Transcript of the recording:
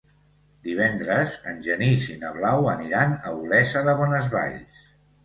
Divendres en Genís i na Blau aniran a Olesa de Bonesvalls.